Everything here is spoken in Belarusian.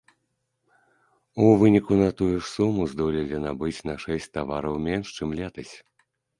У выніку на тую ж суму здолелі набыць на шэсць тавараў менш, чым летась.